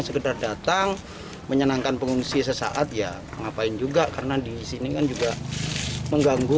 sekedar datang menyenangkan pengungsi sesaat ya ngapain juga karena disini kan juga mengganggu